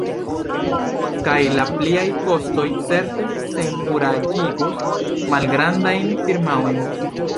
Kaj la pliaj kostoj certe senkuraĝigos malgrandajn firmaojn.